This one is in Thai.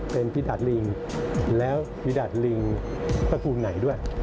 เป็นฟรีดัดลิงแล้วฟรีดัดลิงสกุลไหนด้วย